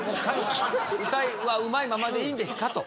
歌はうまいままでいいんですか？と。